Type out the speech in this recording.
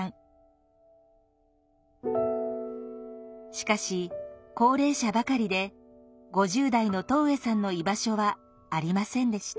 しかし高齢者ばかりで５０代の戸上さんの居場所はありませんでした。